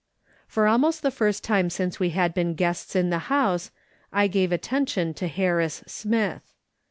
For almost the first time since we had been guests in the house, I gave attention to Harris Smith.